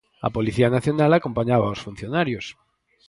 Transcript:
A Policía Nacional acompañaba aos funcionarios.